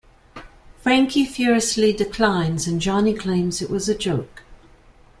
Frankie furiously declines and Johnny claims it was a joke.